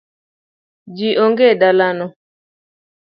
Ji onge e dalano.